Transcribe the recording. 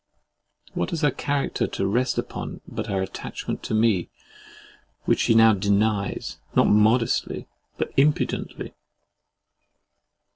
What has her character to rest upon but her attachment to me, which she now denies, not modestly, but impudently?